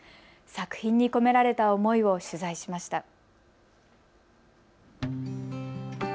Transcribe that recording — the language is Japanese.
作品に込められた思いを取材しました。